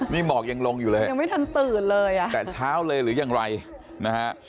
นี่หมอกยังลงอยู่เลยยังไม่ทันตื่นเลยอ่ะแต่เช้าเลยหรือยังไรนะฮะ